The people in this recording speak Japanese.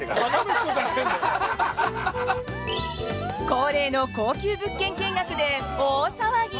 恒例の高級物件見学で大騒ぎ。